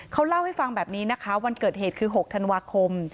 เขาเล่าให้ฟังแบบนี้นะคะวันเกิดเหตุคือ๖ธันวาคม